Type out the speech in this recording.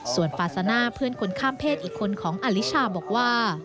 ส่วนปาซาน่าเพื่อนคนข้ามเพศอีกคนของอลิชาบอกว่า